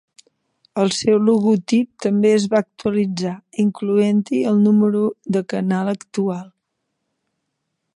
El seu logotip també es va actualitzar incloent-hi el número de canal actual.